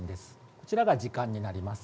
こちらが時間になります。